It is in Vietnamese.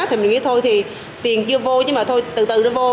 thì mình nghĩ thôi thì tiền chưa vô chứ mà thôi từ từ nó vô